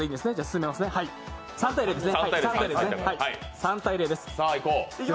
３−０です。